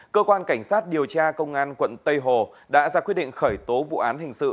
cơ quan cảnh sát điều tra công an quận tây hồ đã ra quyết định khởi tố vụ án hình sự